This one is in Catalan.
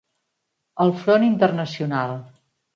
Al front internacional.